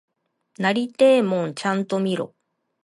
なりてえもんちゃんと見ろ！